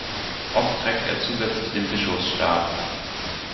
Oft trägt er zusätzlich den Bischofsstab.